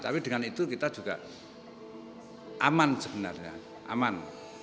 tapi dengan itu kita juga aman sebenarnya aman